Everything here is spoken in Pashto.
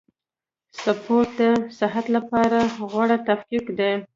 سپورټ د صحت له پاره غوره تفکیک دئ.